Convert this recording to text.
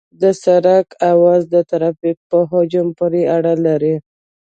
د سرک عرض د ترافیک په حجم پورې اړه لري